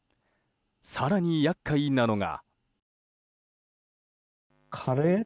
更に厄介なのが。